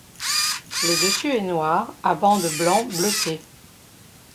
Le dessus est noir à bandes blanc bleutées.